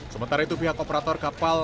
sementara itu pihak operator kapal